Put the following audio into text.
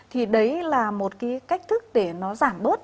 thì đấy là một cái cách thức để nó giảm bớt